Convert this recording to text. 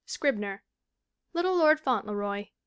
Scribner. Little Lord Fauntleroy, 1886.